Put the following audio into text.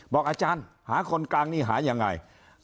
บอกอาจารย์หาคนกลางนี้หาอย่างไร